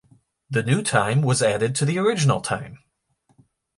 The new time was added to the original time.